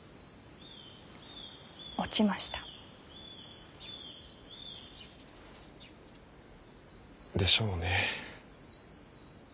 落ちました。でしょうね。